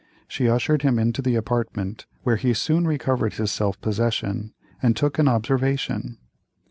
She ushered him into the apartment, where he soon recovered his self possession, and took an observation.